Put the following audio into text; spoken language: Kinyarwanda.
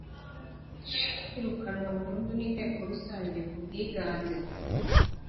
Kwirukanwa burundu n’Inteko Rusange ku bwiganze